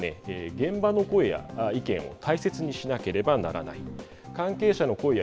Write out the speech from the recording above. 現場の声や意見を大切にしなければならない。